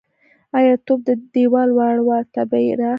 _تا توپ تر دېوال واړاوه، ته به يې را اخلې.